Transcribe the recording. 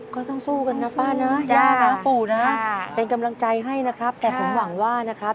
ก็ต้องสู้กันนะป้านะย่านะปู่นะเป็นกำลังใจให้นะครับแต่ผมหวังว่านะครับ